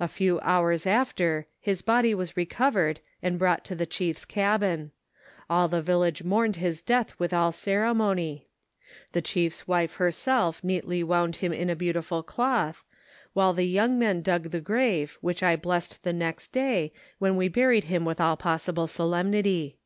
A few hours after his body was recovered and brought to the chief's cabin ; all the village mourned his death with all ceremony; the chiefs wife herself neatly wound him in a beautiful cloth, while the young men dug the grave which I blessed the next day, when we buried him with all possible solemnity.